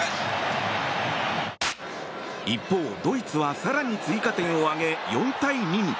一方、ドイツは更に追加点を挙げ４対２に。